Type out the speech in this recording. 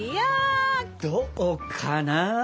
どうかな？